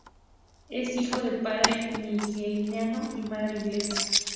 Es hijo de padre nigeriano y madre inglesa.